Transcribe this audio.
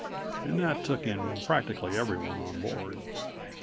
And that took in practically everyone on board.